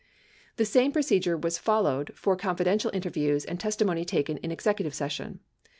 The same procedure was followed for confidential interviews and testimony taken in executive session.